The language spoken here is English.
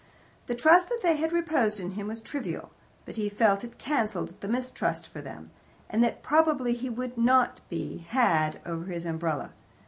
The trust that they had reposed in him was trivial, but he felt that it cancelled his mistrust for them, and that probably he would not be "had" over his umbrella.